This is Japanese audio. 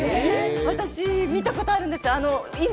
私見たことがあるんですよ。